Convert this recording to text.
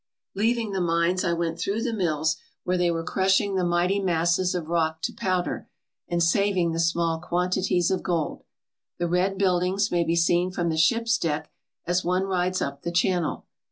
Leaving the mines, I went through the mills, where they were crushing the mighty masses of rock to powder and saving the small quantities of gold. The red buildings may be seen from the ship's deck as one rides up the channel.